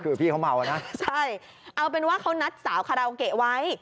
คือพี่เขาเมาอ่ะนะใช่เอาเป็นว่าเขานัดสาวคาราโอเกะไว้